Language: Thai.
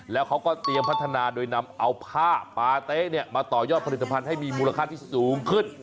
แล้วเขาก็เตรียมพัฒนาโดยนำเอาผ้าปาเต๊ะมาต่อยอดผลิตภัณฑ์ให้มีมูลค่าที่สูงขึ้น